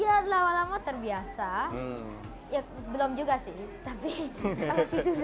ya lama lama terbiasa belum juga sih tapi masih susah sih